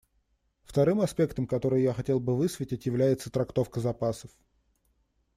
Вторым аспектом, который я хотел бы высветить, является трактовка запасов.